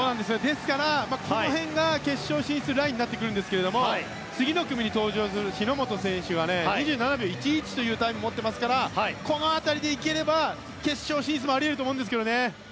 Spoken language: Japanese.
ですから、この辺が決勝進出ラインになってきますが日本選手は２７秒１１というタイムを持っていますからこの辺りで行ければ決勝進出もあり得ると思うんですけどね。